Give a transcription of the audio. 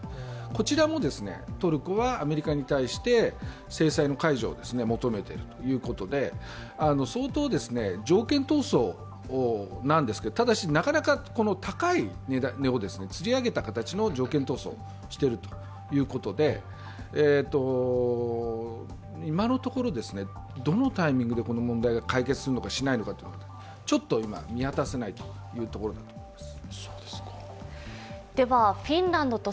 こちらも、トルコはアメリカに対して制裁の解除を求めているということで相当、条件闘争なんですけどただし、なかなか高い値をつり上げた形の条件闘争をしているということで今のところ、どのタイミングでこの問題が解決するのか、しないのかちょっと今、見渡せないということころです。